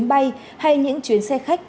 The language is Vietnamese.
chuyến bay hay những chuyến xe khách